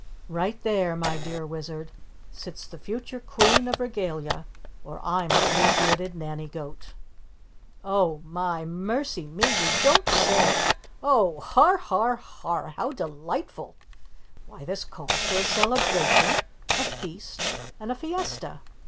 Right there, my dear Wizard, sits the future Queen of Regalia, or I'm a blue bearded Nannygoat!" "Oh, my, mercy me! You don't say! Oh, har, har, har! How delightful! Why, this calls for a celebration, a feast and a fiesta."